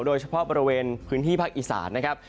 โดยเฉพาะบริเวณพื้นที่ภาคอีสานนะครับ